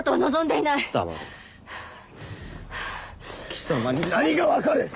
貴様に何が分かる⁉うっ。